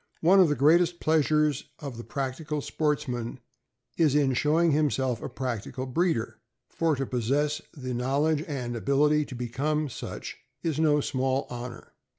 One of the greatest pleasures of the practical sportsman is in showing himself a practical breeder, for to possess the knowledge and ability to become such is no small honor.